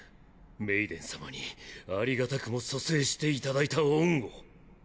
メイデン様にありがたくも蘇生していただいた恩を。